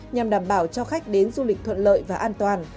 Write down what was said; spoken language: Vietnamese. nhằm đảm bảo cho khách đến du lịch thuận lợi và an toàn